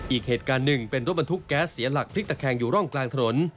อีกเหตุการณ์หนึ่งเป็นรถบรรทุกแก๊สเสียหลักพลิกตะแคงอยู่ร่องกลางถนน